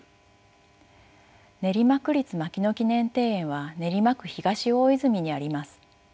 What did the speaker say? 練馬区立牧野記念庭園は練馬区東大泉にあります。